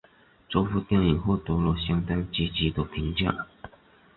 这部电影获得了相当积极的评价。